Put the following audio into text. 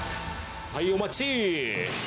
はい、お待ち。